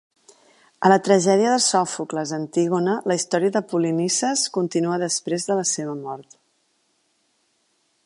A la tragèdia de Sòfocles "Antígona", la història de Polinices continua després de la seva mort.